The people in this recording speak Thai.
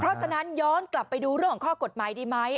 เพราะฉะนั้นย้อนกลับไปดูเรื่องของข้อกฎหมายดีไหม